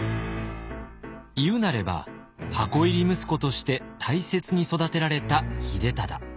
言うなれば箱入り息子として大切に育てられた秀忠。